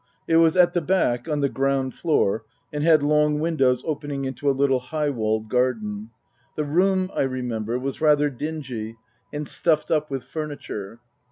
It was at the back, on the ground floor, and had long windows opening into a little high walled garden. The room, I remember, was rather dingy and stuffed up with furniture.